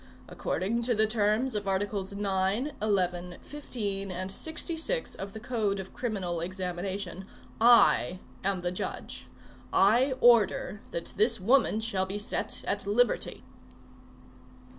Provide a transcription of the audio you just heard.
According to the terms of articles nine, eleven, fifteen, and sixty six of the code of criminal examination, I am the judge. I order that this woman shall be set at liberty."